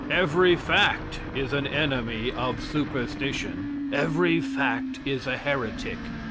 Every fact is an enemy of superstition. Every fact is a heretic.